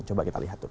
coba kita lihat dulu